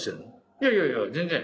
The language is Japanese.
いやいやいや全然。